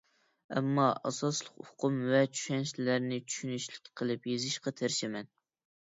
ئەمما، ئاساسلىق ئۇقۇم ۋە چۈشەنچىلەرنى چۈشىنىشلىك قىلىپ يېزىشقا تىرىشىمەن.